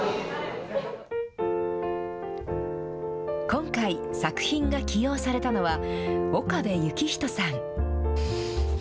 今回、作品が起用されたのは、岡部志士さん。